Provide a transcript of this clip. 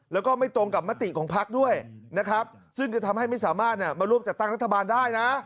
แล้วก็ไม่ตรงกับมติของพักด้วยนะครับซึ่งจะทำให้ไม่สามารถมาร่วมจัดตั้งรัฐบาลได้นะ